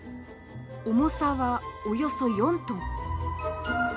重さはおよそ４トン。